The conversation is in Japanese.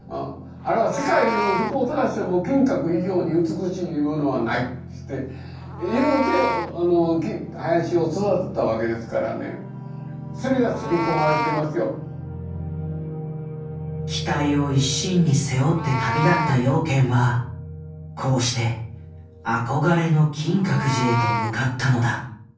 あれは世界をどこを探しても「金閣以上に美しいものはない」っつって言うて林を育てたわけですからね期待を一身に背負って旅立った養賢はこうして憧れの金閣寺へと向かったのだ。